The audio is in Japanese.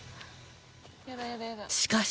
しかし